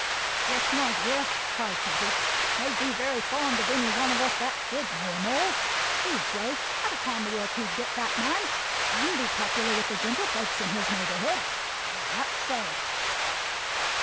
"Yes, my dear," cried Trotty; "and they'd be very fond of any one of us that did know 'em all. He'd grow fat upon the work he'd get, that man, and be popular with the gentlefolks in his neighborhood. Very much so!"